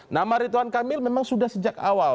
nama ridwan kamil memang sudah sejak awal